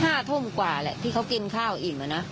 ห้าทุ่มกว่าแหละที่เขากินข้าวอิ่มอ่ะนะ